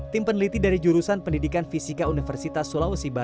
tim peneliti dari jurusan pendidikan fisika universitas sulawesi barat